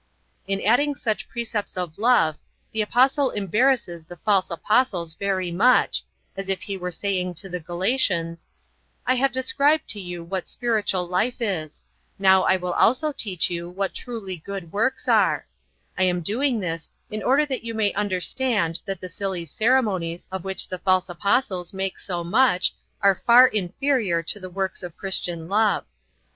In adding such precepts of love the Apostle embarrasses the false apostles very much, as if he were saying to the Galatians: "I have described to you what spiritual life is. Now I will also teach you what truly good works are. I am doing this in order that you may understand that the silly ceremonies of which the false apostles make so much are far inferior to the works of Christian love."